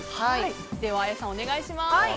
ＡＹＡさん、お願いします。